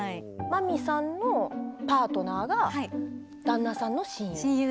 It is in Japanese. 真美さんのパートナーが旦那さんの親友？